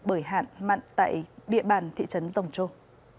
bởi hạn mặn tại địa bàn thị trấn rồng trôm